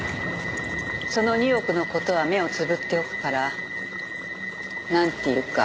その２億の事は目をつぶっておくからなんていうか。